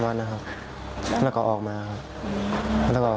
๔๕มันครับแล้วก็ออกมาครับ